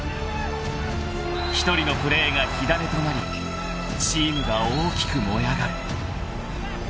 ［１人のプレーが火種となりチームが大きく燃え上がる］